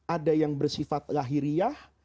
ada yang bersifat lahiriah